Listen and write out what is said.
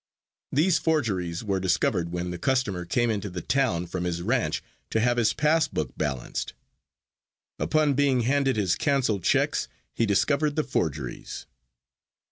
These forgeries were discovered when the customer came into the town from his ranch to have his pass book balanced. Upon being handed his cancelled checks he discovered the forgeries.